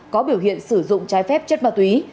có biểu hiện sử dụng trái phép chất ma túy